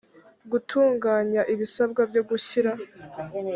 gutunganya ibisabwa byo gushyira